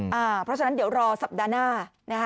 เพราะฉะนั้นเดี๋ยวรอสัปดาห์หน้านะคะ